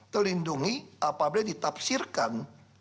terlindungi apabila ditafsirkan